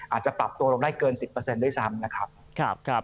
อาจจะปรับตัวลงได้เกิน๑๐ด้วยซ้ำนะครับ